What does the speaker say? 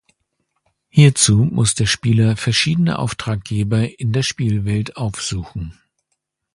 Hierzu muss der Spieler verschiedene Auftraggeber in der Spielwelt aufsuchen.